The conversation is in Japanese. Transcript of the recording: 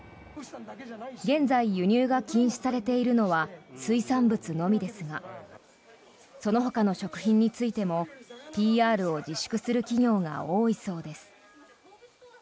現在、輸入が禁止されているのは水産物のみですがそのほかの食品についてもＰＲを自粛する企業が多いそうです。